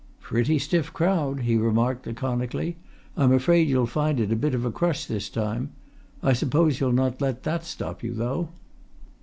"Pretty stiff crowd!" he remarked laconically. "I'm afraid you'll find it a bit of a crush this time. I suppose you'll not let that stop you, though?"